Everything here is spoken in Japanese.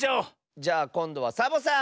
じゃあこんどはサボさん！